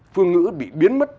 phương ngữ bị biến mất